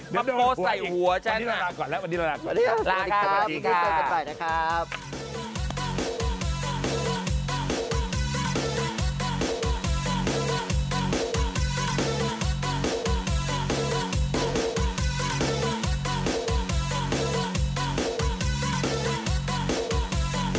มาโป๊ดใส่หัวฉัน